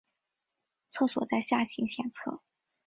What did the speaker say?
厕所在下行线侧。